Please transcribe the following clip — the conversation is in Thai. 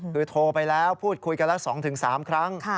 คือโทรไปแล้วพูดคุยกันละ๒๓ครั้ง